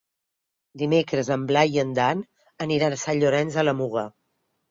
Dimecres en Blai i en Dan aniran a Sant Llorenç de la Muga.